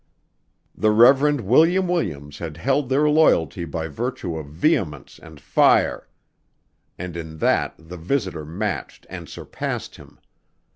The Reverend William Williams had held their loyalty by virtue of vehemence and fire, and in that the visitor matched and surpassed him.